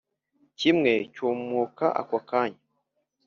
ikime cyumuka ako kanya.